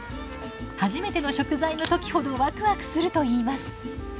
初めての食材の時ほどワクワクするといいます。